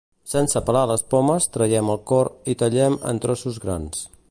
Sense pelar les pomes, traiem el cor i tallem en trossos grans.